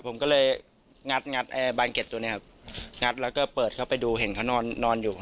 ผมก็เลยงัดงัดบานเก็ตตัวนี้ครับงัดแล้วก็เปิดเข้าไปดูเห็นเขานอนนอนอยู่